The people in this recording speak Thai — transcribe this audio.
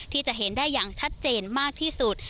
ที่จะเห็นได้อย่างชัดเจนมากที่สุด